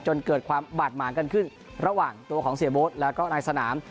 จนเกิดความบาดหมางกันขึ้นระหว่างตัวของเสียโบ๊ทแล้วก็ในสนาม